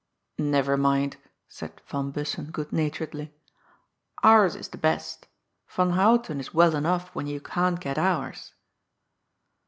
" If ever mind," said Van Bussen good naturedly. *' Ours is the best. Van Houten is well enough when you can't get ours."